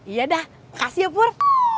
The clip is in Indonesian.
iya dah kasih ya pur